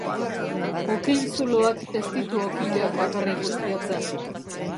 Okil-zuloak ez ditu okilak bakarrik ustiatzen.